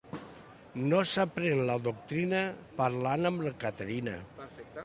No s'aprèn la doctrina parlant amb la Caterina.